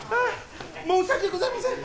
申し訳ございません